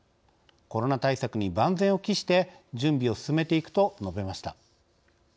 コロナ対策に万全を期して準備を進めていくと述べました。